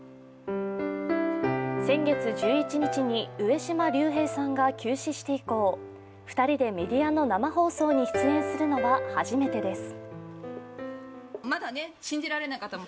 先月１１日に上島竜兵さんが急死して以降、２人でメディアの生放送に出演するのは初めてです。